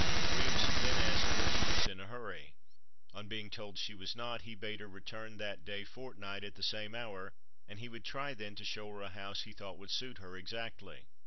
Williamson then asked her if she was in a hurry. On being told she was not, he bade her return that day fortnight at the same hour and he would try then to show her a house he thought would suit her exactly.